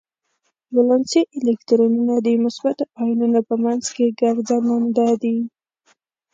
ولانسي الکترونونه د مثبتو ایونونو په منځ کې ګرځننده دي.